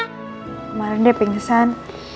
kemarin dia pingsan